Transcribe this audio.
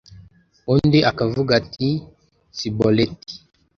undi akavuga ati siboleti